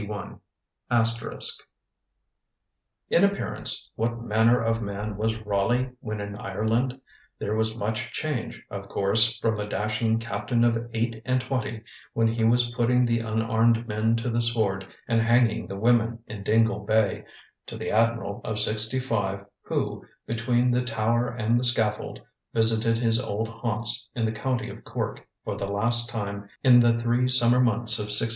*] "In appearance what manner of man was Raleigh when in Ireland? There was much change, of course, from the dashing captain of eight and twenty, when he was putting the unarmed men to the sword and hanging the women in Dingle Bay, to the admiral of sixty five who, between the Tower and the scaffold, visited his old haunts in the county of Cork for the last time in the three summer months of 1617.